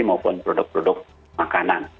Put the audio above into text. maupun produk produk makanan